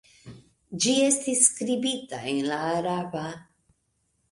Ĝi estis skribita en la araba.